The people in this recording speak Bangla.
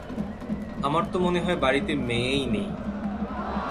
আমার তো মনে হয় বাড়িতে মেয়েই নেই।